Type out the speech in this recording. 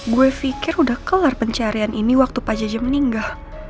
gue pikir udah kelar pencarian ini waktu pak jj meninggal